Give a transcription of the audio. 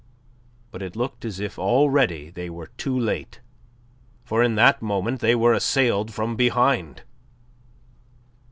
But it looked as if already they were too late, for in that moment they were assailed from behind.